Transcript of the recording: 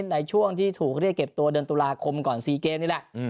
ในช่วงที่ถูกเรียกเก็บตัวเดือนตุลาคมก่อน๔เกมนี่แหละ